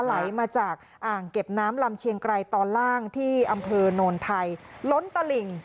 ไหลมาจากอ่างเก็บน้ำลำเชียงไกรตอนล่างที่อำเภอโนนไทยล้นตลิ่ง